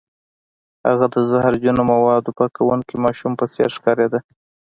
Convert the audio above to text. هغه د زهرجن موادو پاکوونکي ماشوم په څیر ښکاریده